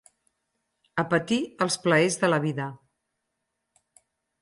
Apetir els plaers de la vida.